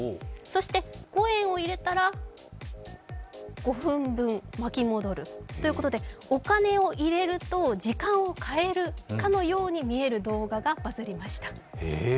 そしてコインを入れたら５分分、巻き戻るということでお金を入れると、時間を買えるかのように見えるかの動画がバズりました。